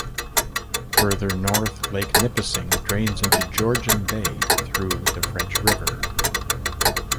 Further north, Lake Nipissing drains into Georgian Bay through the French River.